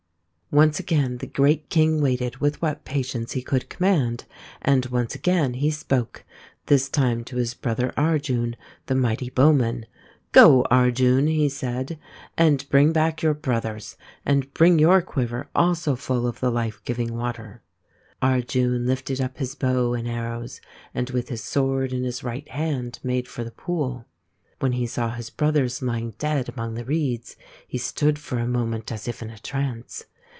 Once again the great king waited with what patience he could command, and once again he spoke, this time to his brother Arjun, the mighty bowman. " Go, Arjun," he said, " and bring back your brothers, and bring your quiver also full of the life giving water." THE POOL OF ENCHANTMENT 151 Arjun lifted up his bow and arrows, and with his sword in his right hand made for the pool. When he saw his brothers lying dead among the reeds, he stood for a moment as if in a trance.